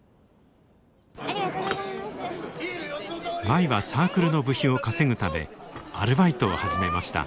舞はサークルの部費を稼ぐためアルバイトを始めました。